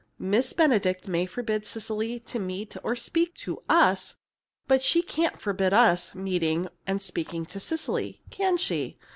"Miss Benedict may forbid Cecily to meet or speak to us, but she can't forbid us meeting and speaking to Cecily, can she?